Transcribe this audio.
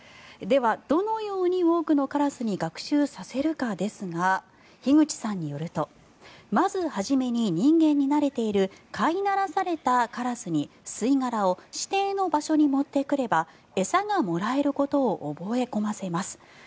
では、どのように多くのカラスに学習させるかですが樋口さんによるとまず初めに人間になれている飼いならされたカラスに吸い殻を指定の場所に持ってくれば餌がもらえることを覚え込ませます。